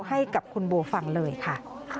ให้กับคุณโบฟังเลยค่ะ